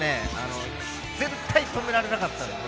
絶対止められなかったんですよ。